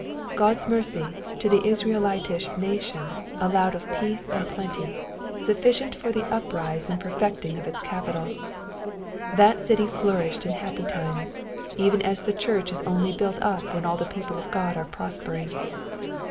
God's mercy to the Israelitish nation allowed of peace and plenty, sufficient for the uprise and perfecting of its capital : that city Hourisned in happy times, even as the church is only built up when all the people of God are prospering.